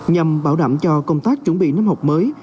nhằm bảo đảm cho công tác chuẩn bị năm học mới